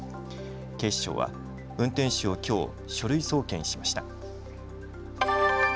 警視庁は運転手をきょう、書類送検しました。